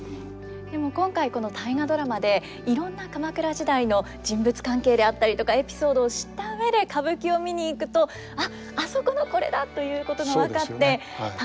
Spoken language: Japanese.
でも今回この「大河ドラマ」でいろんな鎌倉時代の人物関係であったりとかエピソードを知った上で歌舞伎を見に行くと「あっあそこのこれだ」ということが分かって楽しいでしょうね。